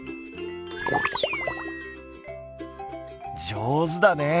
上手だね。